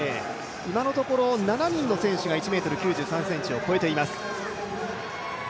今のところ７人の選手が１ｍ９３ｃｍを越えています。